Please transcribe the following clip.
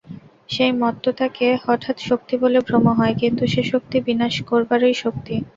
সেই মত্ততাকে হঠাৎ শক্তি বলে ভ্রম হয়, কিন্তু সে শক্তি বিনাশ করবারই শক্তি।